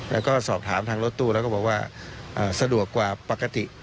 แล้วก็สอบถามทางรถตู้แล้วก็บอกว่าสะดวกกว่าปกติ